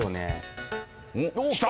きた！